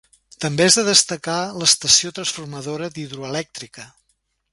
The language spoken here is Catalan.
També és de destacar l'estació transformadora d'Hidroelèctrica.